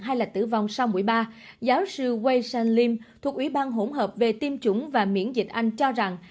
trong vòng sau mũi ba giáo sư wei shan lim thuộc ủy ban hỗn hợp về tiêm chủng và miễn dịch anh cho rằng